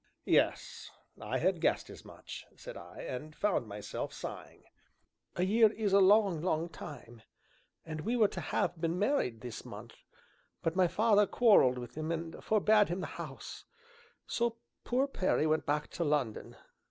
"Yes, I had guessed as much," said I, and found myself sighing. "A year is a long, long time, and we were to have been married this month, but my father quarrelled with him and forbade him the house, so poor Perry went back to London.